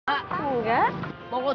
mbak mau ngosek mbak